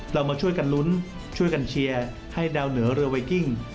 เรามาช่วยกันลุ้นช่วยกันเชียร์ให้ดาวเหนือเรือไวกิ้ง